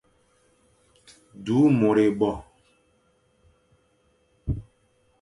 Du môr ébo.